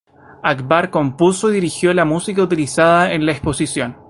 Akbar compuso y dirigió la música utilizada en la exposición.